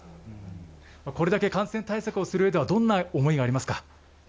これだけ感染対策をするうえでは、どんな思いがありますか？